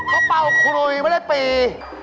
เขาเปล่าครูไม่ได้ปี